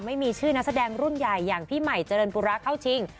ไม่มีชื่อนักแสดงรุ่นใหญ่อย่างพี่ใหม่เจริญปุระเข้าชิง